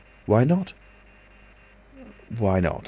"Why not?" "Why not?"